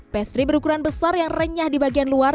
pastry berukuran besar yang renyah di bagian luar